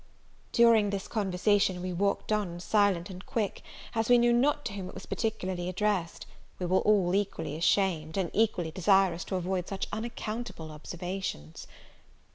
During this conversation, we walked on silent and quick; as we knew not to whom it was particularly addressed, we were all equally ashamed, and equally desirous to avoid such unaccountable observations.